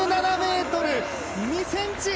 ６７ｍ２ｃｍ。